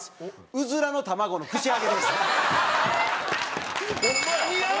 うずらの卵の串揚げやん。